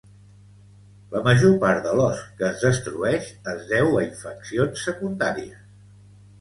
La major part de l'os que es destrueix es deu a infeccions secundàries.